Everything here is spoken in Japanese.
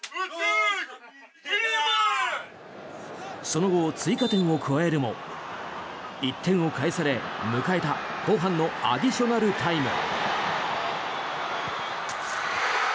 その後、追加点を加えるも１点を返され、迎えた後半のアディショナルタイム。